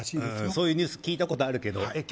そういうニュース聞いたことあるけどえっ